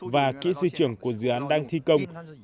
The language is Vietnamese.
và kỹ sư trưởng của dự án đang thi công